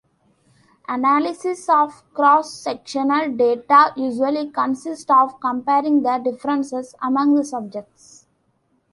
Analysis of cross-sectional data usually consists of comparing the differences among the subjects.